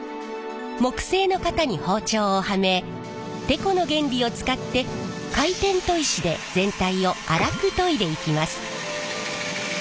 木製の型に包丁をはめテコの原理を使って回転砥石で全体を荒く研いでいきます。